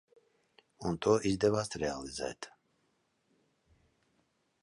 Un to izdevās realizēt.